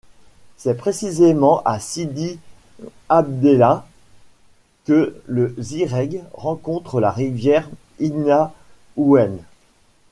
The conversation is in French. C'est précisément à Sidi Abdellah que le Zireg rencontre la rivière Inaouen.